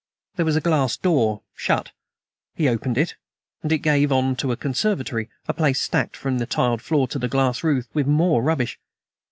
There was a glass door shut. He opened it, and it gave on a conservatory a place stacked from the tiled floor to the glass roof with more rubbish.